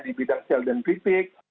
di bidang sel dan fisik